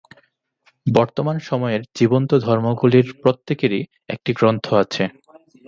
বর্তমান সময়ের জীবন্ত ধর্মগুলির প্রত্যেকেরই একটি গ্রন্থ আছে।